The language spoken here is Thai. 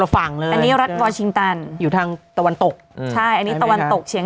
ละฝั่งนี่วาชิงตันอยู่ทางตะวันตกใช่อันนี้ตะวันตกเชียง